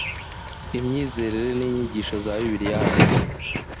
imyizerere n inyigisho za bibiliya hamwe